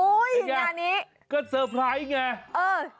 อุ๊ยอย่างนี้นี่ไงก็สเตอร์ไพรส์ไง